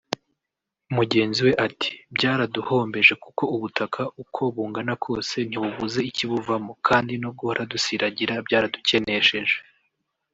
Mugenzi we ati “Byaraduhombeje kuko ubutaka uko bungana kose ntibubuze ikibuvamo kandi no guhora dusiragira byaradukenesheje